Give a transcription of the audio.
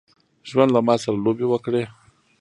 ژوند له ماسره لوبي وکړي.